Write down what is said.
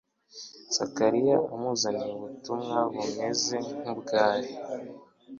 Zakariya amuzaniye ubutumwa bumeze nkubwari